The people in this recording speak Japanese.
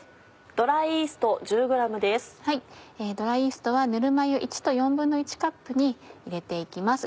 ドライイーストはぬるま湯１と１／４カップに入れて行きます